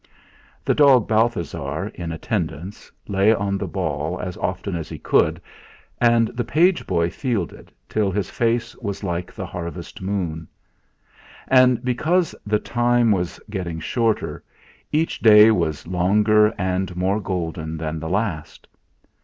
The dog Balthasar, in attendance, lay on the ball as often as he could, and the page boy fielded, till his face was like the harvest moon. And because the time was getting shorter, each day was longer and more golden than the last.